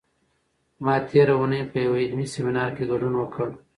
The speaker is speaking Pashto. ما تېره اونۍ په یوه علمي سیمینار کې ګډون وکړ.